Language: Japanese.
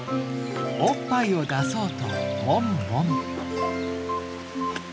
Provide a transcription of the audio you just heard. おっぱいを出そうともみもみ。